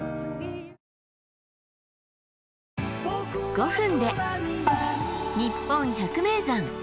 ５分で「にっぽん百名山」。